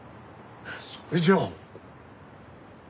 それじゃあ。